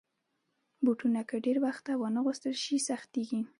بوټونه که ډېر وخته وانهغوستل شي، سختېږي.